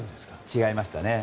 違いましたね。